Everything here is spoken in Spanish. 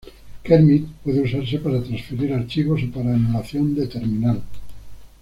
Kermit puede usarse para transferir archivos o para emulación de terminal.